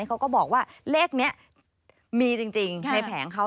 เขาก็บอกว่าเลขนี้มีจริงในแผงเขา